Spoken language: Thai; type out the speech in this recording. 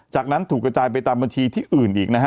จากนั้นถูกกระจายไปตามบัญชีที่อื่นอีกนะฮะ